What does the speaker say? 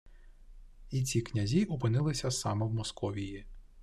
І ці князі опинилися саме в Московії